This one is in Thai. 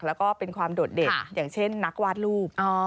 แล้วก็เป็นความโดดเด่นอย่างเช่นนักวาดรูป